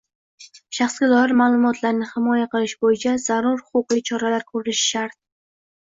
shaxsga doir ma’lumotlarni himoya qilish bo‘yicha zarur huquqiy choralar ko'rishi shart.